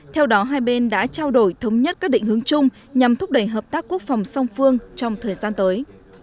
theo đó hai bên đã trao đổi thống nhất các định hướng chung nhằm thúc đẩy hợp tác quốc phòng song phương trong thời gian tới